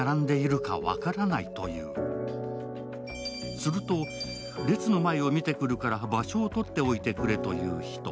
すると列の前を見てくるから場所をとっておいてくれと言う人。